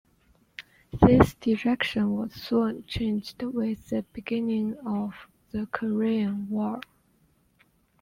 This direction was soon changed with the beginning of the Korean War.